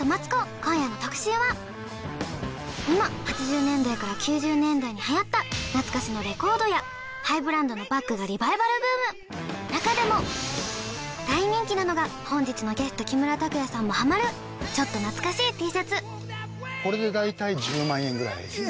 今夜の特集は今８０年代から９０年代にはやった懐かしのレコードやハイブランドのバッグが中でも大人気なのが本日のゲスト木村拓哉さんもハマるちょっと懐かしいＴシャツええうわ